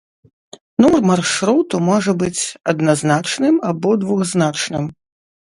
Нумар маршруту можа быць адназначным або двухзначным.